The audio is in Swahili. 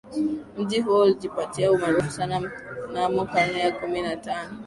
Mji huo ulijipatia umaarufu sana mnamo karne ya kumi na tano